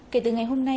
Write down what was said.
kể từ ngày hôm nay